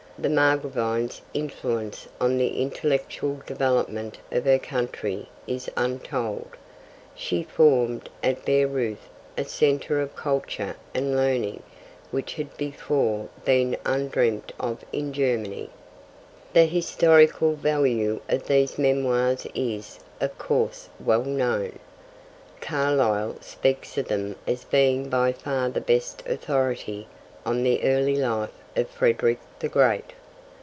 The Margravine's influence on the intellectual development of her country is untold. She formed at Baireuth a centre of culture and learning which had before been undreamt of in Germany.' The historical value of these Memoirs is, of course, well known. Carlyle speaks of them as being 'by far the best authority' on the early life of Frederick the Great.